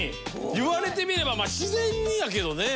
言われてみれば自然にやけどね。